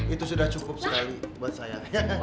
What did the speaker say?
itu sudah cukup sekali buat saya